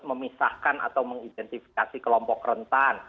memisahkan atau mengidentifikasi kelompok rentan